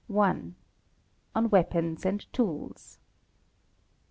| 1. On Weapons and Tools.